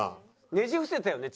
ねじ伏せたよね